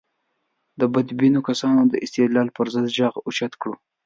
د بدبینو کسانو د استدلال پر ضد غږ اوچت کړو.